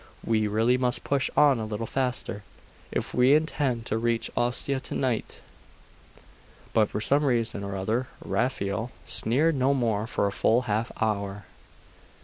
We really must push on a little faster, if we intend to reach Ostia to night.' But, for some reason or other, Raphael sneered no more for a full half hour.